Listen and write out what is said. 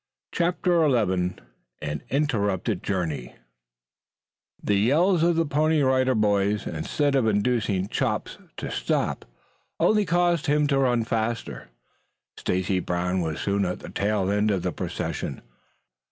CHAPTER XI AN INTERRUPTED JOURNEY The yells of the Pony Rider Boys, instead of inducing Chops to stop only caused him to run the faster. Stacy Brown was soon at the tail end of the procession.